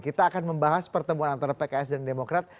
kita akan membahas pertemuan antara pks dan demokrat